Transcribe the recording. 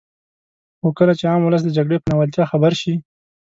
خو کله چې عام ولس د جګړې په ناولتیا خبر شي.